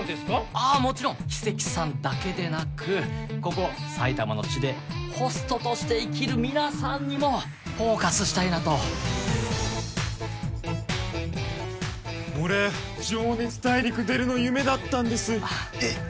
ああもちろんキセキさんだけでなくここ埼玉の地でホストとして生きる皆さんにもフォーカスしたいなと俺「情熱大陸」出るの夢だったんですえっ